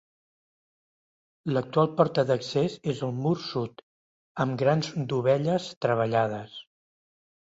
L'actual porta d'accés és al mur sud, amb grans dovelles treballades.